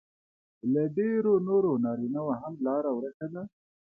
له ډېرو نورو نارینهو هم لار ورکه ده